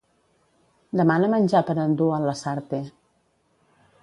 Demana menjar per endur al Lasarte.